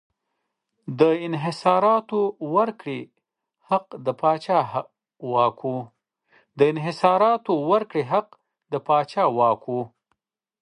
د انحصاراتو ورکړې حق د پاچا واک و.